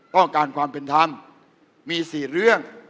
ต้องการความเป็นธรรมมี๔เรื่อง